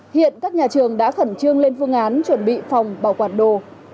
hiện các nhà trường đã khẩn trương lên phương án chuẩn bị phòng bảo quản đồ